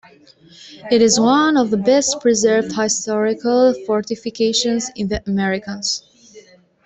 It is one of the best preserved historical fortifications in the Americas.